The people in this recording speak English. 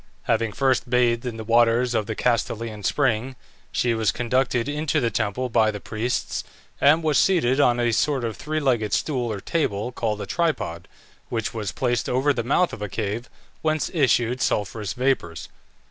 Having first bathed in the waters of the Castalian spring, she was conducted into the temple by the priests, and was seated on a sort of three legged stool or table, called a tripod, which was placed over the mouth of a cave whence issued sulphurous vapours.